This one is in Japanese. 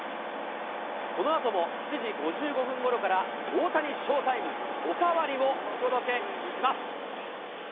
このあとも７時５５分ごろから、大谷ショータイムおかわり！をお届けします。